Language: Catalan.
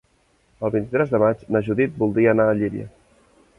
El vint-i-tres de maig na Judit voldria anar a Llíria.